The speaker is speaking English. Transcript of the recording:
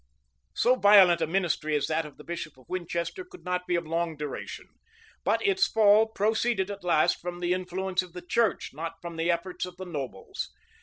[] So violent a ministry as that of the bishop of Winchester could not be of long duration; but its fall proceeded at last from the influence of the church, not from the efforts of the nobles.